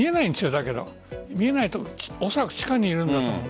だけど見えないけど近くにいるんだと思う。